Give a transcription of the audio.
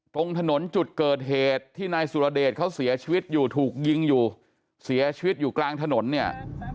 ตรงถนนจุดเกิดเหตุที่นายสุรเดชเขาเสียชีวิตอยู่ถูกยิงอยู่เสียชีวิตอยู่กลางถนนเนี่ย